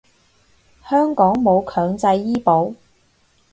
香港冇強制醫保